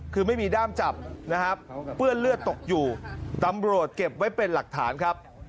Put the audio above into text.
คือไม่มีด้ามจับนะครับเปื้อนเลือดตกอยู่ตำรวจเก็บไว้เป็นหลักฐานครับ